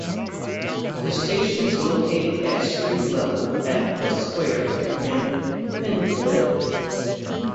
The station is located at street level at The Square in Pencoed.